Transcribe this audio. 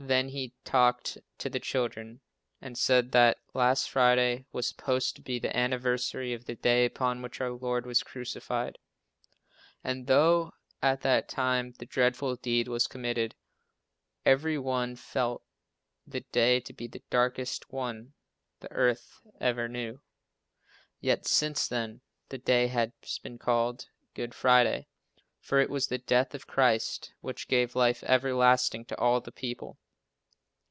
Then he talked to the children and said that last Friday was supposed to be the anniversary of the day upon which our Lord was crucified, and though, at the time the dreadful deed was committed, every one felt the day to be the darkest one the earth ever knew; yet since then, the day has been called "Good Friday," for it was the death of Christ which gave life everlasting to all the people.